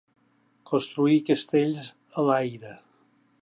construir castells a l'aire